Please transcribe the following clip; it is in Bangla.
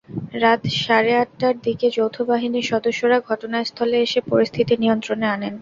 রাত সাড়ে আটটার দিকে যৌথ বাহিনীর সদস্যরা ঘটনাস্থলে এসে পরিস্থিতি নিয়ন্ত্রণে আনেন।